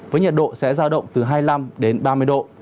với nhiệt độ sẽ ra động từ hai mươi năm đến ba mươi độ